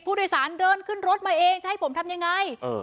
ผู้โดยสารเดินขึ้นรถมาเองจะให้ผมทำยังไง